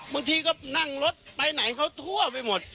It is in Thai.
บางทีก็นั่งรถไปไหนเขาทั่วไปหมด